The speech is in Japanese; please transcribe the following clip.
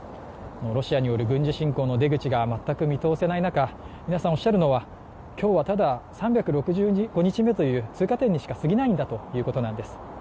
ロシアによる軍事侵攻の出口が全く見通せない中、皆さんおっしゃるのは、今日はただ３６５日目という通過点に過ぎないんだということなんです。